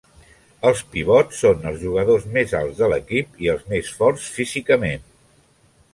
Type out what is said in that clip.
Els pivots són els jugadors més alts de l'equip i els més forts físicament.